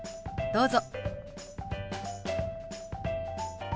どうぞ。